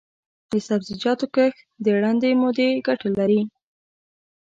د سبزیجاتو کښت د لنډې مودې ګټه لري.